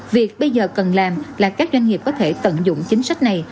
việc bây giờ cần làm là các doanh nghiệp có thể tận dụng chính sách này